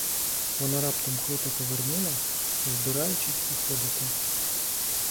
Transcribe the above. Вона раптом круто повернула, збираючись виходити.